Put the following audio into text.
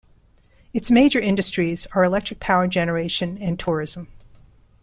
Its major industries are electric power generation and tourism.